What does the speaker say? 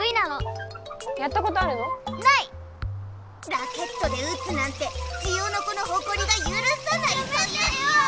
ラケットで打つなんてジオノコのほこりがゆるさないソヨヨん！